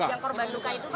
yang korban luka itu pak